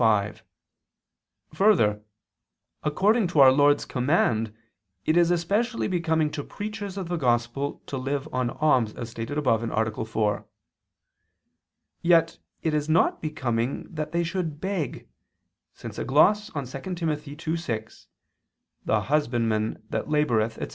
5: Further, according to our Lord's command it is especially becoming to preachers of the Gospel to live on alms, as stated above (A. 4). Yet it is not becoming that they should beg, since a gloss on 2 Tim. 2:6, "The husbandman, that laboreth," etc.